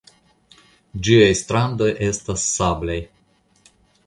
Ĝiaj strandoj estas sablaj.